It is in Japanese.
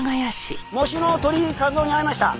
喪主の鳥居和夫に会いました。